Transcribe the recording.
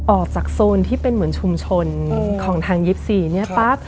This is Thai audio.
โซนที่เป็นเหมือนชุมชนของทาง๒๔เนี่ยปั๊บ